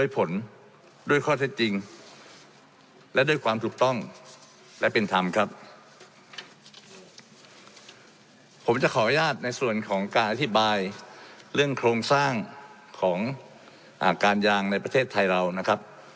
ผมจะขออนุญาตในส่วนของการอธิบายเรื่องโครงสร้างของการยางในประเทศไทยเรานะครับ